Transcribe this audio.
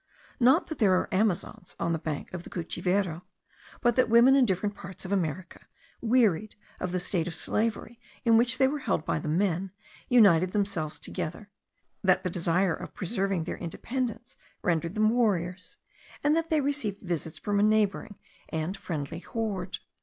Not that there are Amazons on the banks of the Cuchivero, but that women in different parts of America, wearied of the state of slavery in which they were held by the men, united themselves together; that the desire of preserving their independence rendered them warriors; and that they received visits from a neighbouring and friendly horde.